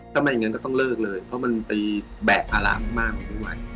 ถ้าไม่อย่างนั้นก็ต้องเลิกเลยเพราะมันไปแบกภาระมากกว่าด้วย